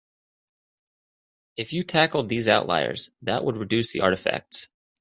If you tackled these outliers that would reduce the artifacts.